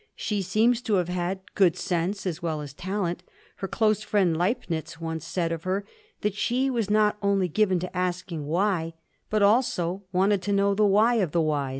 She seems to have had good sense as well as talent ; her close friend Leibnitz once said of her that she was not only given to asking why, but also wanted to know the why of the whys.